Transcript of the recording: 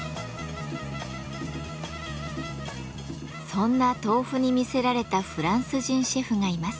そんな豆腐に魅せられたフランス人シェフがいます。